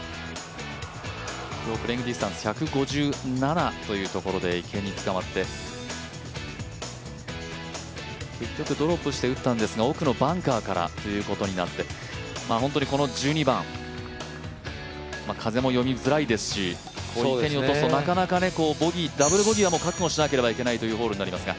今日プレーイング・ディスタンス１５７というところで池に捕まって、結局ドロップして打ったんですが奥のバンカーからということになって本当にこの１２番、風も読みづらいですし、池に落とすとダブルボギーは覚悟しないといけないところですが。